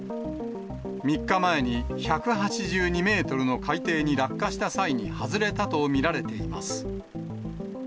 ３日前に１８２メートルの海底に落下した際に外れたと見られています。